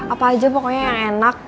apa aja pokoknya yang enak